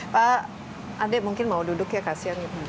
pak adem mungkin mau duduk ya kasihan